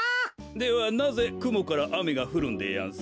ではなぜくもからあめがふるんでやんす？